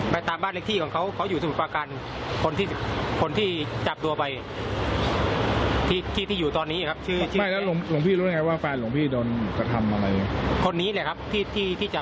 ผมก็เห็นในดวงจิต